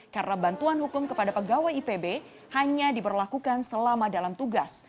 karena bantuan hukum kepada pegawai ipb hanya diperlakukan selama dalam tugas